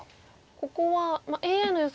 ここはＡＩの予想